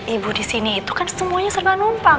ibu di sini itu kan semuanya serba numpang